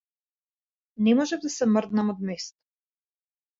Не можев да се мрднам од место.